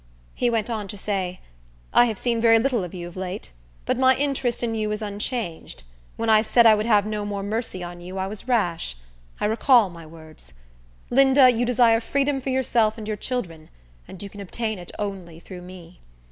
He went on to say, "I have seen very little of you of late, but my interest in you is unchanged. When I said I would have no more mercy on you I was rash. I recall my words. Linda, you desire freedom for yourself and your children, and you can obtain it only through me.